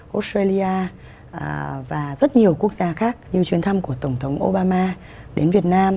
australia và rất nhiều quốc gia khác như chuyến thăm của tổng thống obama đến việt nam